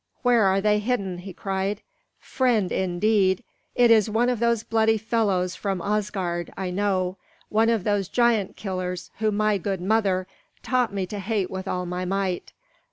"Where are they hidden?" he cried. "Friend, indeed! It is one of those bloody fellows from Asgard, I know, one of those giant killers whom my good mother taught me to hate with all my might.